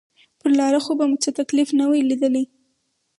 پر لاره خو به مو څه تکليف نه وي ليدلى.